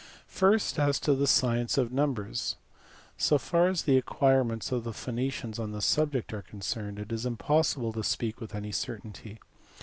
First, as to the science of numbers. So far as the acquire ments of the Phoenicians on this subject are concerned it is impossible to speak with any certainty.